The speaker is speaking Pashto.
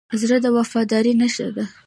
زړه د وفادارۍ نښه ده.